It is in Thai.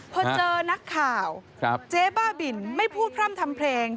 พอเจอนักข่าวเจ๊บ้าบินไม่พูดพร่ำทำเพลง